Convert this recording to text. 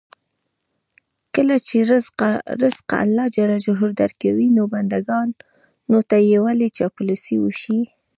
کله چې رزق الله ج درکوي، نو بندګانو ته یې ولې چاپلوسي وشي.